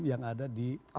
yang ada di